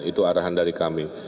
itu arahan dari kami